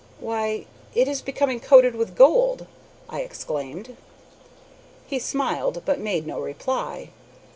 "Why, it is becoming coated with gold!" I exclaimed. He smiled, but made no reply.